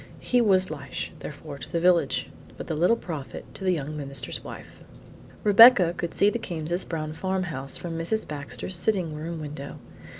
He was "Lishe," therefore, to the village, but the Little Prophet to the young minister's wife. Rebecca could see the Cames' brown farmhouse from Mrs. Baxter's sitting room window.